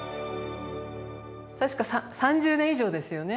確か３０年以上ですよね